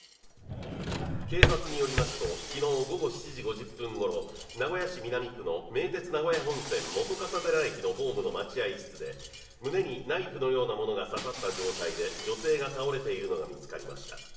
警察によりますと昨日午後７時５０分ごろ名古屋市南区の名鉄名古屋本線本笠寺駅のホームの待合室で胸にナイフのようなものが刺さった状態で女性が倒れているのが見つかりました。